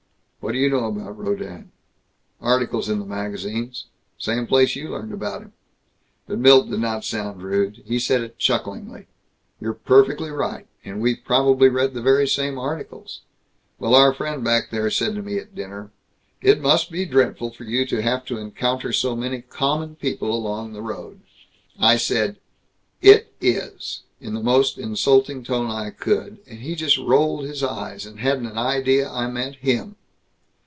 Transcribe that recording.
"What do you know about Rodin?" "Articles in the magazines. Same place you learned about him!" But Milt did not sound rude. He said it chucklingly. "You're perfectly right. And we've probably read the very same articles. Well, our friend back there said to me at dinner, 'It must be dreadful for you to have to encounter so many common people along the road.' I said, 'It is,' in the most insulting tone I could, and he just rolled his eyes, and hadn't an idea I meant him.